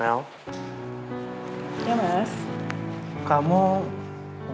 gak pernah ketemu lagi kan sama astrid